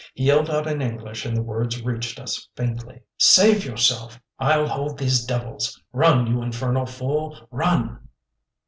He yelled out in English and the words reached us faintly: "Save yourself! I'll hold these devils. Run, you infernal fool, run!"